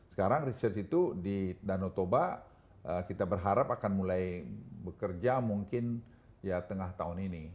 sekarang research itu di danau toba kita berharap akan mulai bekerja mungkin ya tengah tahun ini